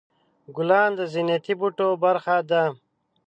ګلان د زینتي بوټو برخه ده.